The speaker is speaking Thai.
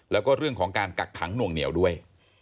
แล้วก็เรื่องของการกักขังหน่วงเหนียวด้วย